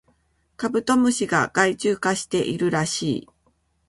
カブトムシが害虫化しているらしい